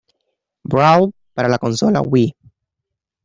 Brawl para la consola Wii.